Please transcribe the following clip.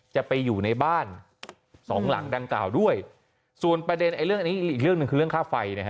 จะไปอยู่ในบ้านสองหลังดังกล่าวด้วยส่วนประเด็นอีกเรื่องนึงคือเรื่องค่าไฟ